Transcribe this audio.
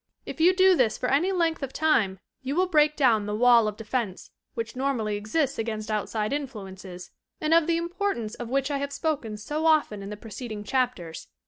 If you do this for any length of time you will break down the "wall of defence" which normally exista against outside influences, and of the importance AUTOMATIC WRITING 143 of which I have spoken so often in the preceding chapters.